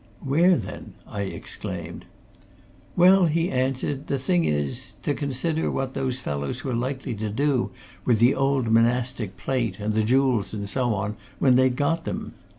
"Where, then?" I exclaimed. "Well," he answered, "the thing is to consider what those fellows were likely to do with the old monastic plate and the jewels and so on when they'd got them.